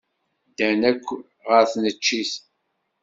Ddan akk ɣer tneččit.